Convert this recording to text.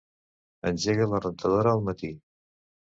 Engega la rentadora al matí.